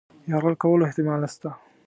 یرغل کولو احتمال نسته.